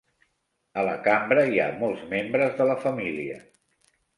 A la cambra hi ha molts membres de la família.